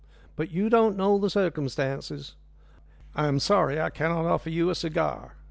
But you don't know the circumstances. I am sorry I cannot offer you a cigar.